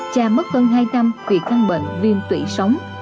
cha mất hơn hai năm vì căn bệnh viêm tủy sống